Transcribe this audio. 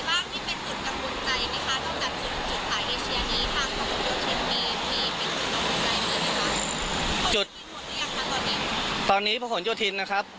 ต้องการจุดจุดไทยเอเชียนี้ข้างพระขุมโยธินมีมีเป็นจุดจำบุญใจด้วยไหมคะตอนนี้พระขุมโยธินนะครับ